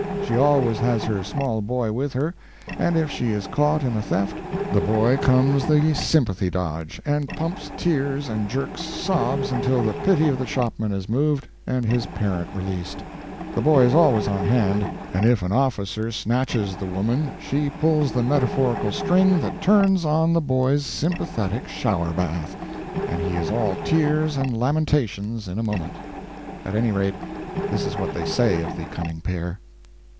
She always has her small boy with her and if she is caught in a theft, the boy comes the sympathy dodge, and pumps tears and jerks sobs until the pity of the shopman is moved, and his parent released. The boy is always on hand, and if an officer snatches the woman she pulls the metaphorical string that turns on the boy's sympathetic shower bath, and he is all tears and lamentations in a moment. At any rate, this is what they say of the cunning pair.